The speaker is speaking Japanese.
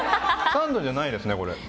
サンドじゃないですね、これは。